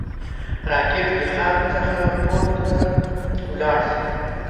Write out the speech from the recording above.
راکټ د خاورې څخه پورته ولاړ شي